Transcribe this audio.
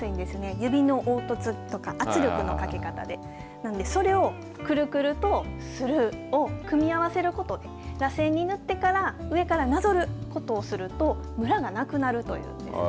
指の凹凸とか圧力のかけ方でなんでそれをくるくるとするーを組み合わせることでらせんに塗ってから上からなぞることをするとむらがなくなるということです。